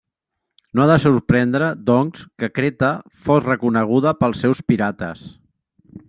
No ha de sorprendre, doncs, que Creta fos reconeguda pels seus pirates.